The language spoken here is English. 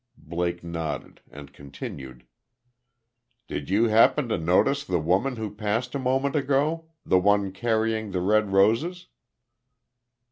Blake nodded, and continued: "Did you happen to notice the woman who passed a moment ago? the one carrying the red roses?"